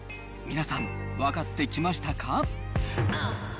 皆さん、分かってきましたか？